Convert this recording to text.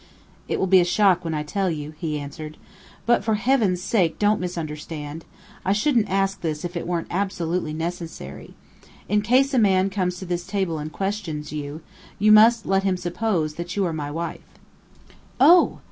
"It will be a shock when I tell you," he answered. "But for Heaven's sake, don't misunderstand. I shouldn't ask this if it weren't absolutely necessary. In case a man comes to this table and questions you, you must let him suppose that you are my wife." "Oh!"